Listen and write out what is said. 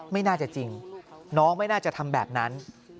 ไม่น่าจะจริงน้องไม่น่าจะทำแบบนั้น